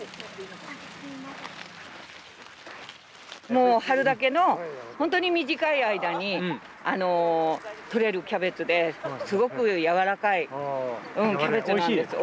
もう春だけの本当に短い間にとれるキャベツですごくやわらかいキャベツなんです。